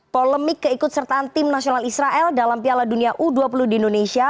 polemik keikutsertaan timnas israel dalam piala dunia u dua puluh di indonesia